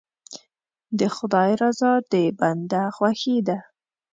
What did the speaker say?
د خدای رضا د بنده خوښي ده.